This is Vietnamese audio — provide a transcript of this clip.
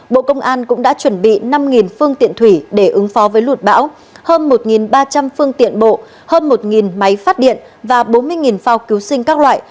bộ công an cũng đã chuẩn bị năm phương tiện thủy để ứng phó với lụt bão hơn một ba trăm linh phương tiện bộ hơn một máy phát điện và bốn mươi phao cứu sinh các loại